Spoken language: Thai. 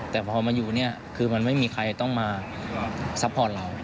แต่พอมาอยู่เนี่ยคือมันไม่มีใครต้องมาซัพพอร์ตเรา